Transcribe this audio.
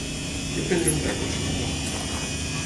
Jo prendré un taco, si us plau.